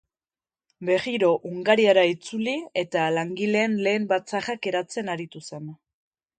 Berriro Hungariara itzuli eta langileen lehen batzarrak eratzen aritu zen.